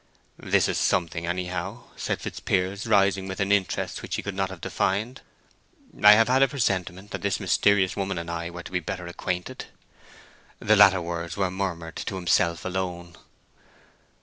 "This is something, anyhow," said Fitzpiers, rising with an interest which he could not have defined. "I have had a presentiment that this mysterious woman and I were to be better acquainted." The latter words were murmured to himself alone.